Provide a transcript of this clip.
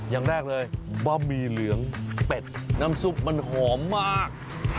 อย่างแรกเลยบะหมี่เหลืองเป็ดน้ำซุปมันหอมมาก